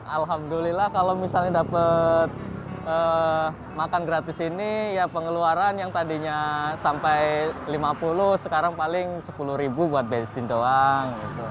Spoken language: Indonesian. alhamdulillah kalau misalnya dapat makan gratis ini ya pengeluaran yang tadinya sampai lima puluh sekarang paling sepuluh ribu buat bensin doang